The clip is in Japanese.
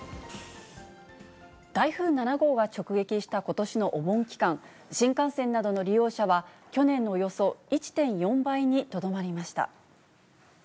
台風７号が直撃したことしのお盆期間、新幹線などの利用者は去年のおよそ１．４倍にとどまりました。